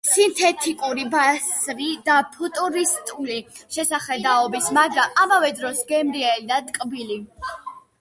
სინთეტიკური, ბასრი და ფუტურისტული შესახედაობის, მაგრამ ამავე დროს გემრიელი და ტკბილი.